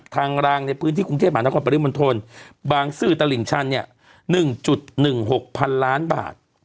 ทางรางในพื้นที่กรุงเทพฯบางสื่อตลิ่งชันเนี่ย๑๑๖พันล้านบาท